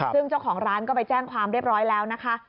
ซึ่งเจ้าของร้านก็ไปแจ้งความเรียบร้อยแล้วนะคะ